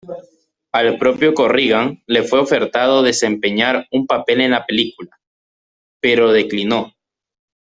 Al propio Corrigan le fue ofertado desempeñar un papel en la película, pero declinó.